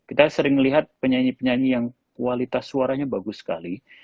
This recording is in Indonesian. kita sering melihat penyanyi penyanyi yang kualitas suaranya bagus sekali